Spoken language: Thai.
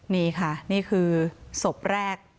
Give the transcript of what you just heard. นี่ค่ะนี่คือศพแรก